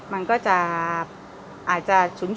มันก็จะอาจจะฉุนนะฮะ